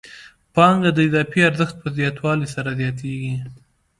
پانګه د اضافي ارزښت په زیاتوالي سره زیاتېږي